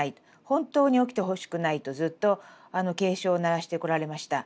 本当に起きてほしくないとずっと警鐘を鳴らしてこられました。